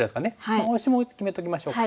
このオシも決めときましょうか。